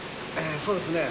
えそうですね